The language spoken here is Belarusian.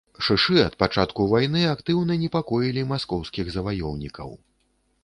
Шышы ад пачатку вайны актыўна непакоілі маскоўскіх заваёўнікаў.